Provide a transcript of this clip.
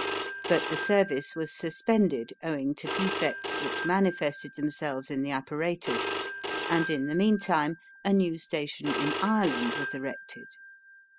But the service was suspended, owing to defects which manifested themselves in the apparatus, and in the meantime a new station in Ireland was erected.